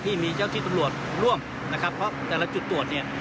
ที่มีเจ้าที่ตำรวจร่วมนะครับเพราะแต่ละจุดตรวจเนี่ย